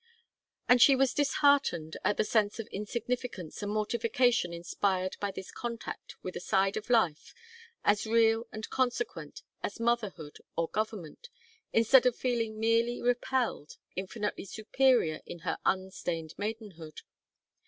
And she was disheartened at the sense of insignificance and mortification inspired by this contact with a side of life, as real and consequent as motherhood or government, instead of feeling merely repelled, infinitely superior in her unstained maidenhood.